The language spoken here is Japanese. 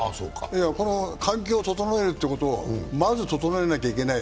環境を整えるということは、まず整えなきゃいけない。